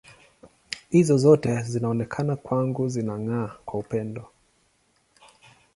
Hizo zote zinaonekana kwangu zinang’aa kwa upendo.